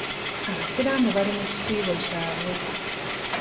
Abasiraamu bali mu kisiibo kyabwe.